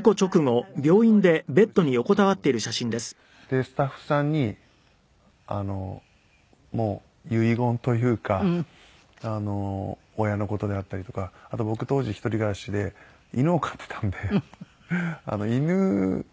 でスタッフさんにもう遺言というか親の事であったりとか。あと僕当時一人暮らしで犬を飼ってたんで犬ちょっと餌をあげてほしいって。